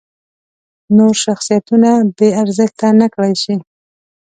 نور شخصیتونه بې ارزښته نکړای شي.